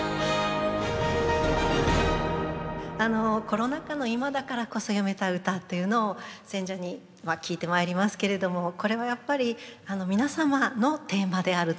「コロナ禍の今だからこそ詠めた歌」というのを選者には聞いてまいりますけれどもこれはやっぱり皆様のテーマであると思うんですね。